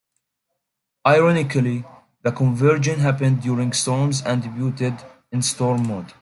Ironically, the conversion happened during storms and debuted in Storm Mode.